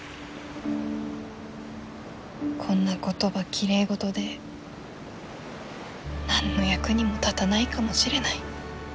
こんな言葉きれいごとで何の役にも立たないかもしれない。